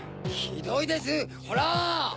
ひどいですホラ！